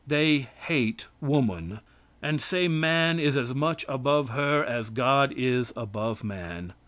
They hate woman, and say man is as much above her as God is above man.